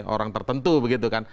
orang tertentu begitu kan